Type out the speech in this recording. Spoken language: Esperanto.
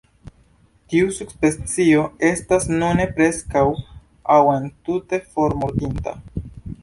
Tiu subspecio estas nune "preskaŭ aŭ entute formortinta".